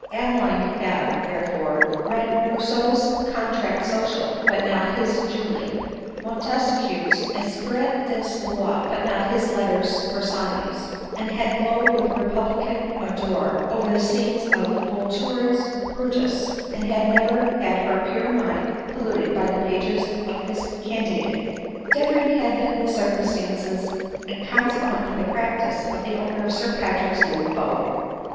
Adeline had, therefore, read Rous seau's Contrat Social, but not his Julie ; Montesquieu's Esprit des Loix, but not his Letters Persannes ; and had 'glowed with republican ardor over the scenes of Voltaire's Brutus, but had never had her pure mind pol luted by the pages of his Candide. Different Jiad been the circumstances and consequent <_ 66 ADELINE MOWBRAY. ly the practice, of the owner of Sir Patrick's new abode.